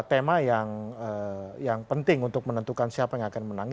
tema yang penting untuk menentukan siapa yang akan menang